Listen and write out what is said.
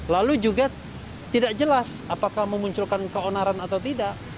lalu juga tidak jelas apakah memunculkan keonaran atau tidak